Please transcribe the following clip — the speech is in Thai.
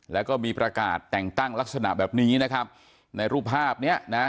แล้วก็มีประกาศแต่งตั้งลักษณะแบบนี้นะครับในรูปภาพเนี้ยนะฮะ